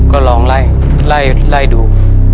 ก็ลองไล่ไล่ดู